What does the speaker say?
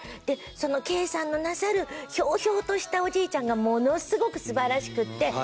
でその敬さんのなさるひょうひょうとしたおじいちゃんがものすごく素晴らしくって。